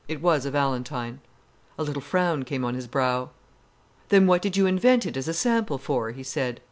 It was a valentine." A little frown came on his brow. "Then what did you invent it as a sample for?" he said.